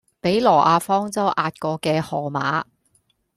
俾挪亞方舟壓過嘅河馬